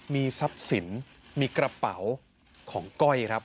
มีทรัพย์สินมีกระเป๋าของก้อยครับ